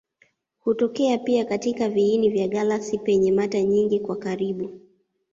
Hutokea pia katika viini vya galaksi penye mata nyingi kwa karibu.